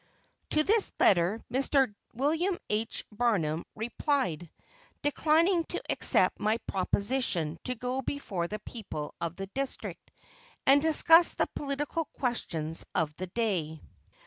To this letter Mr. William H. Barnum replied, declining to accept my proposition to go before the people of the district, and discuss the political questions of the day.